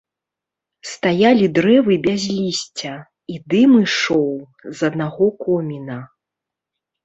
Стаялі дрэвы без лісця, і дым ішоў з аднаго коміна.